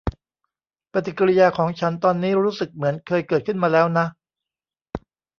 ปฏิกิริยาของฉันตอนนี้รู้สึกเหมือนเคยเกิดขึ้นมาแล้วนะ